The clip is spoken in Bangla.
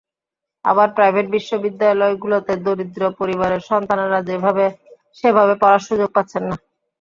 আবার প্রাইভেট বিশ্ববিদ্যালয়গুলোতে দরিদ্র পরিবারের সন্তানেরা সেভাবে পড়ার সুযোগ পাচ্ছেন না।